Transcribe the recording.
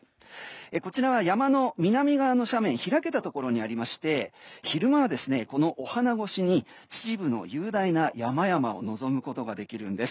こちらは山の南側の斜面開けたところにありまして昼間は、このお花越しに秩父の雄大な山々を望むことができるんです。